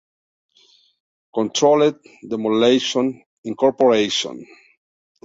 Controlled Demolition, Inc.